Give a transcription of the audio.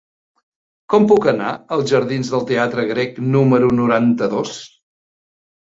Com puc anar als jardins del Teatre Grec número noranta-dos?